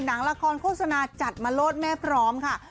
หนังละครโฆษณาจัดมาโลดแม่พร้อมค่ะ